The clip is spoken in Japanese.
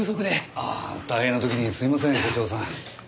ああ大変な時にすいません所長さん。